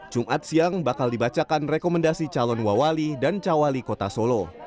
jumat siang bakal dibacakan rekomendasi calon wawali dan cawali kota solo